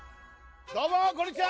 どうも、こんにちは。